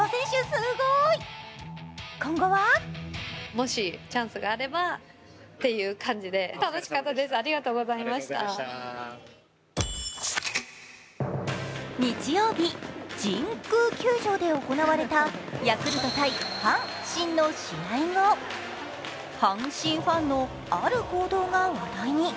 すごい、今後は日曜日、神宮球場で行われたヤクルト×阪神の試合後、阪神ファンの、ある行動が話題に。